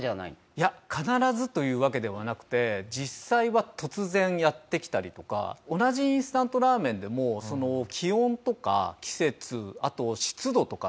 いや必ずというわけではなくて実際は突然やって来たりとか同じインスタントラーメンでもへえ。